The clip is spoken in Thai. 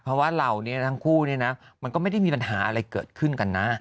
เพราะว่าเราเนี่ยทั้งคู่เนี่ยนะมันก็ไม่ได้มีปัญหาอะไรเกิดขึ้นกันนะ